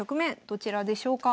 どちらでしょうか？